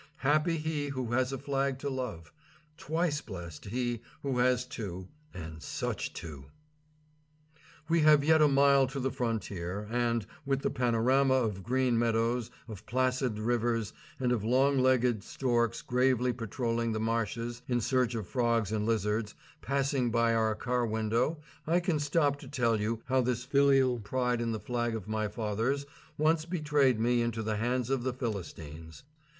Happy he who has a flag to love. Twice blest he who has two, and such two. We have yet a mile to the frontier and, with the panorama of green meadows, of placid rivers, and of long legged storks gravely patrolling the marshes in search of frogs and lizards, passing by our car window, I can stop to tell you how this filial pride in the flag of my fathers once betrayed me into the hands of the Philistines.